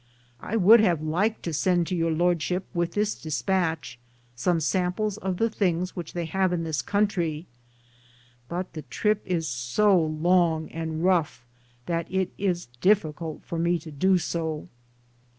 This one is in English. I would have liked to send to Your Lord ship, with this dispatch, many samples of the things which they have in this country, but the trip is so long and rough that it is difficult for me to do so.